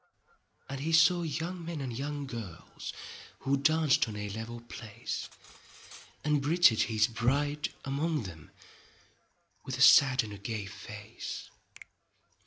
7 And he saw young men and young girls Who danced on a level place And Bridget his bride among them, With a sad and a gay face.